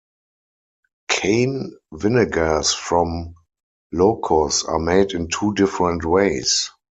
Cane vinegars from Ilocos are made in two different ways.